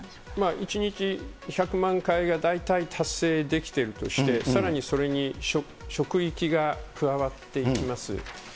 １日１００万回が大体達成できているとして、さらにそれに職域が加わっていきます。